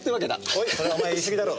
おいそれはお前言いすぎだろ。